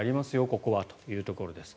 ここはというところです。